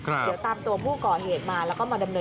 แล้วก็ตามตัวผู้ก่อเหตุมา